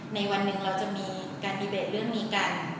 ในวันหนึ่งเราจะมีการดีเบตเรื่องนี้กัน